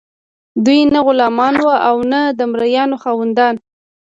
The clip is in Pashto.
دوی نه غلامان وو او نه د مرئیانو خاوندان.